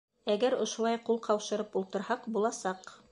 Әгәр ошолай ҡул ҡаушырып ултырһаҡ, буласаҡ!